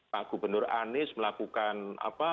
pak gubernur anies melakukan apa